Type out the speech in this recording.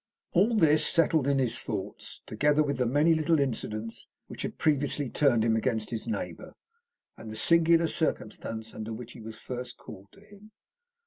All this settled in his thoughts, together with the many little incidents which had previously turned him against his neighbour, and the singular circumstances under which he was first called in to him.